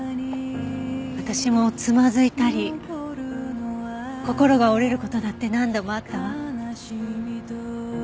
私もつまずいたり心が折れる事だって何度もあったわ。